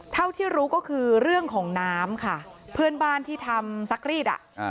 เท่าที่รู้ก็คือเรื่องของน้ำค่ะเพื่อนบ้านที่ทำซักรีดอ่ะ